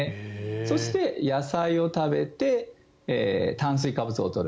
そして、野菜を食べて炭水化物を取る。